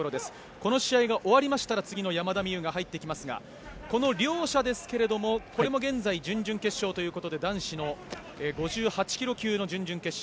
この試合が終わりましたが次の山田美諭が入ってきますがこの両者ですがこれも現在準々決勝ということで男子の５８ｋｇ級の準々決勝。